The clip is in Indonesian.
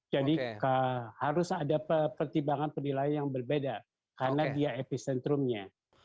jadi harus ada pertimbangan penilaian yang berbeda karena dia epicentrumnya